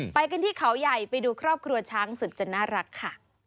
ไปกันที่เขาใหญ่ไปดูครอบครัวช้างศึกจะน่ารักค่ะ